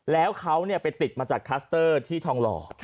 แล้วเขาไปติดมาจากคลัสเตอร์ที่ทองหล่อ